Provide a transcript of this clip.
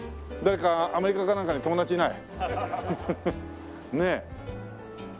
誰かアメリカかなんかに友達いない？ねえ。